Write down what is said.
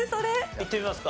いってみますか？